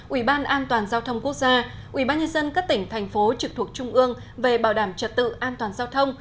ủy ban an toàn giao thông quốc gia ủy ban nhân dân các tỉnh thành phố trực thuộc trung ương về bảo đảm trật tự an toàn giao thông